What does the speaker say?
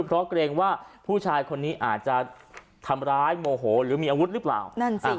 เพราะเกรงว่าผู้ชายคนนี้อาจจะทำร้ายโมโหหรือมีอาวุธหรือเปล่านั่นสิ